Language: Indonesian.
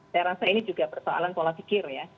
saya rasa ini juga persoalan pola pikir ya